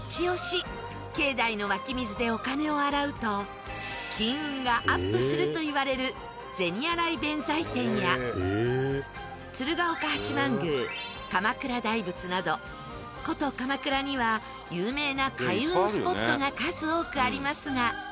境内の湧き水でお金を洗うと金運がアップするといわれる銭洗弁財天や鶴岡八幡宮鎌倉大仏など古都鎌倉には有名な開運スポットが数多くありますが。